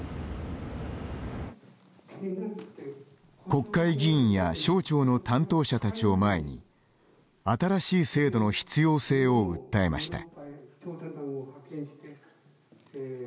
国会議員や省庁の担当者たちを前に新しい制度の必要性を訴えました。